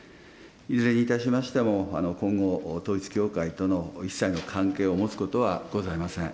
いずれにいたしましても、今後、統一教会との一切の関係を持つことはございません。